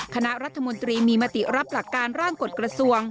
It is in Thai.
คณะรัฐมนตรีมีมติรับหลักการร่างกฎกระทรวง